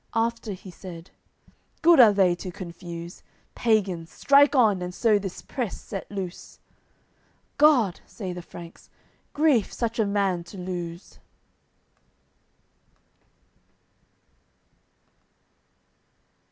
After he said: "Good are they to confuse. Pagans, strike on, and so this press set loose!" "God!" say the Franks, "Grief, such a man to lose!"